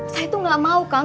saya tuh gak mau kang